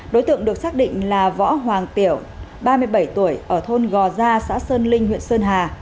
đối tượng được xác định là võ hoàng tiểu ba mươi bảy tuổi ở thôn gò gia xã sơn linh huyện sơn hà